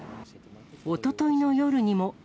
おとといの夜にも。